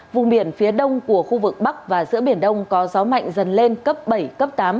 vùng biển phía đông của khu vực bắc và giữa biển đông có gió mạnh dần lên cấp bảy cấp tám